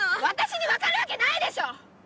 私にわかるわけないでしょ！